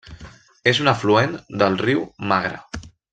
És un afluent del riu Magra.